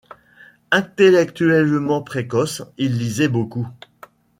Intellectuellement précoce, il lisait beaucoup.